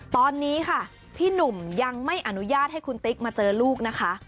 ตอนนี้ค่ะพี่หนุ่มยังไม่อนุญาตให้คุณติ๊กมาเจอลูกนะคะ